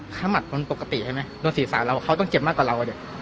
หมัดคนปกติใช่ไหมโดนศีรษะเราเขาต้องเจ็บมากกว่าเราอ่ะดิ